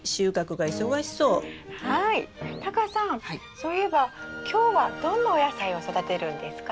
そういえば今日はどんなお野菜を育てるんですか？